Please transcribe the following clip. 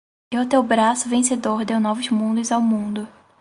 E o teu braço vencedor deu novos mundos ao mundo